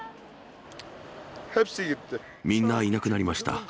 みんないなくなりました。